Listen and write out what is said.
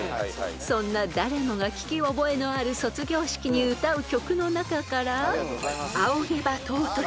［そんな誰もが聞き覚えのある卒業式に歌う曲の中から］